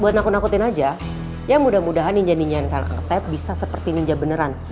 buat nakut nakutin aja ya mudah mudahan ninja ninjakan ketep bisa seperti ninja beneran